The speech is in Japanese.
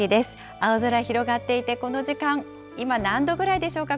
青空広がっていて、この時間、今、何度ぐらいでしょうか？